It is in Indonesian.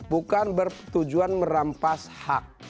bukan bertujuan merampas hak